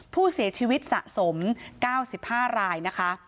ผู้เสียชีวิตสะสม๙๕รายนะคะ